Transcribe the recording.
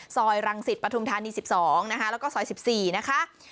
ซอยรังสิตปฐุมธานี๑๒นะคะแล้วก็ซอย๑๔นะคะ